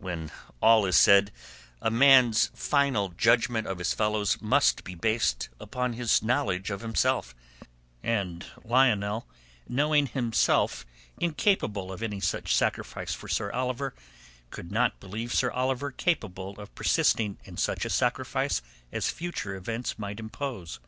When all is said, a man's final judgment of his fellows must be based upon his knowledge of himself; and Lionel, knowing himself incapable of any such sacrifice for Sir Oliver, could not believe Sir Oliver capable of persisting in such a sacrifice as future events might impose.